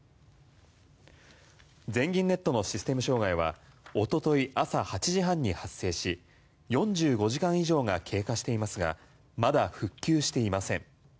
全銀ネットのシステム障害は一昨日朝８時半に発生し４５時間以上が経過していますがまだ復旧していません。